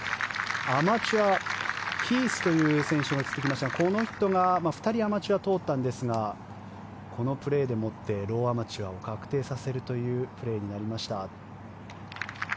アマチュア、ヒースという選手が映ってきましたがこの人が２人、アマチュア通ったんですがこのプレーでもってローアマチュアを確定させるというプレーになりました。